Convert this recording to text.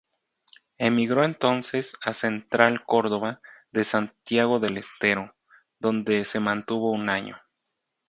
Emigró entonces a Central Córdoba de Santiago del Estero, donde se mantuvo un año.